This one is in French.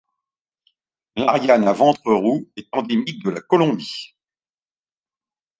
L’Ariane à ventre roux est endémique de la Colombie.